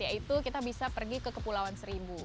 yaitu kita bisa pergi ke kepulauan seribu